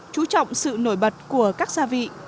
chú trọng sự nổi bật của các gia vị